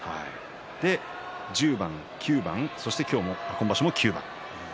１０番９番そして今場所も９番。